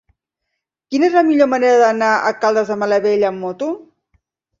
Quina és la millor manera d'anar a Caldes de Malavella amb moto?